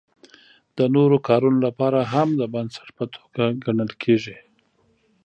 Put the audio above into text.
د نورو کارونو لپاره هم د بنسټ په توګه ګڼل کیږي.